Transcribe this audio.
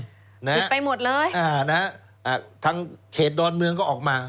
ติดไปหมดเลยนะครับทั้งเขตดอนเมืองก็ออกมา